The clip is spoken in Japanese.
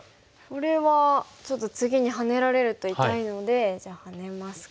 これはちょっと次にハネられると痛いのでじゃあハネますか。